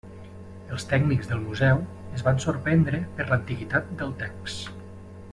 Els tècnics del Museu es van sorprendre per l'antiguitat del text.